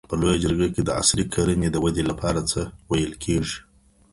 په لویه جرګه کي د عصري کرني د ودي لپاره څه ویل کیږي؟